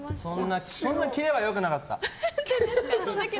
そんなキレは良くなかった。